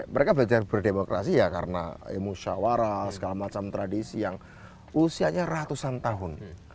mereka belajar berdemokrasi ya karena musyawarah segala macam tradisi yang usianya ratusan tahun